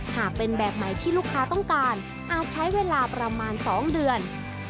หากเป็นแบบไหนที่ลูกค้าต้องการอาจใช้เวลาประมาณ๒เดือน